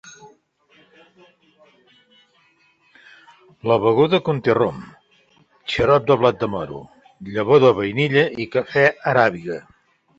La beguda conté rom, xarop de blat de moro, llavor de vainilla i cafè aràbiga.